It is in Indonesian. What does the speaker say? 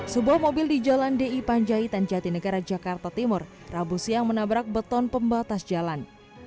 sebuah mobil di jalan di panjaitan jatinegara jakarta timur rabu siang menabrak beton pembatas jalan